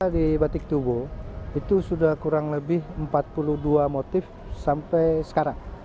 di batik tubuh itu sudah kurang lebih empat puluh dua motif sampai sekarang